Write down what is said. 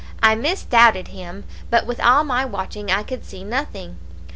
"I misdoubted him, but with all my watching I could see nothing.